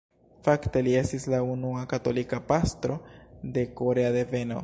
Fakte li estis la unua katolika pastro de korea deveno.